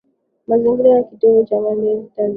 Mazingira ni Kitovu Cha Maendeleo Tanzania